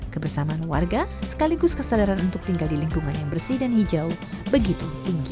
kebersamaan warga sekaligus kesadaran untuk tinggal di lingkungan yang bersih dan hijau begitu tinggi